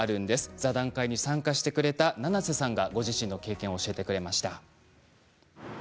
座談会に参加してくれたななせさんがご自身の経験を教えてくれました。